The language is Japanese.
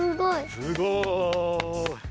すごい。